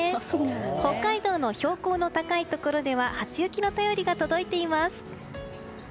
北海道の標高の高いところでは初雪の便りが届いています。